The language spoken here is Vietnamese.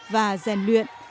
và giàn luyện